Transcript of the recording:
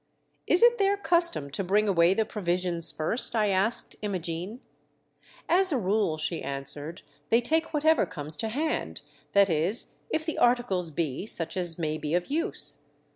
"Is it their custom to bring away the provisions first ?" I asked Imogene. "As a rule," she answered, "they take whatever comes to hand, that is, if the articles be such as may be of use.